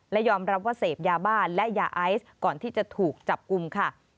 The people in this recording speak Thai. และยอมรับว่าเสพยาบ้าและยาไอซ์ก่อนที่จะถูกจับกลุ่มค่ะ